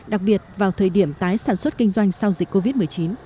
đặc biệt vào thời điểm tái sản xuất kinh doanh sau dịch covid một mươi chín